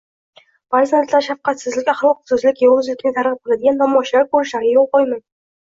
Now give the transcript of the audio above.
Farzandlar shafqatsizlik, axloqsizlik, yovuzlikni targ‘ib qiladigan tomoshalar ko‘rishlariga yo‘l qo‘ymang.